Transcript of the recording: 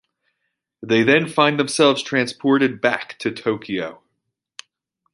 They then find themselves transported back to Tokyo.